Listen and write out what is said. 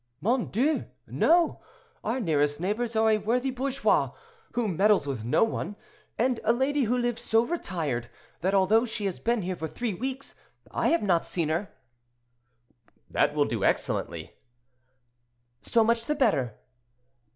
"Mon Dieu! no! our nearest neighbors are a worthy bourgeois, who meddles with no one, and a lady who lives so retired, that although she has been here for three weeks, I have not seen her." "That will do excellently." "So much the better."